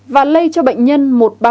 và lây cho bệnh nhân một ba trăm bốn mươi bảy